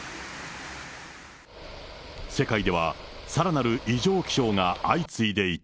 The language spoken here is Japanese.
世界ではさらなる異常気象が相次いでいた。